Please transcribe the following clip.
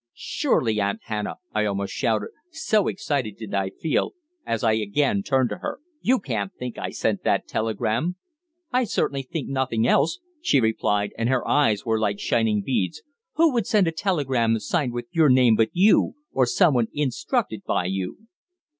"Surely, Aunt Hannah," I almost shouted so excited did I feel as I again turned to her, "you can't think I sent that telegram?" "I certainly think nothing else," she replied, and her eyes were like shining beads. "Who would send a telegram signed with your name but you, or someone instructed by you?"